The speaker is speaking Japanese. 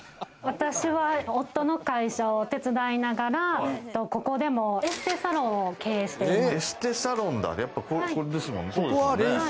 私は夫の会社を手伝いながら、ここでもエステサロンを経営しています。